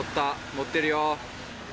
乗ってるよ。